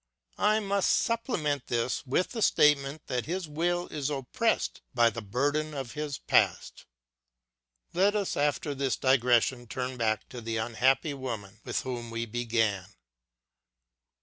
I must supple ment this with the statement that his will is oppressed by the burden of his past. Let us after this disgression turn back to the unhappy woman with whom we began.